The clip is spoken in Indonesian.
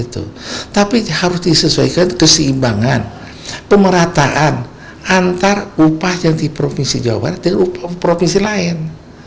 tapi harus disesuaikan keseimbangan pemerataan antar upah yang di provinsi jawa barat dengan upah provinsi lain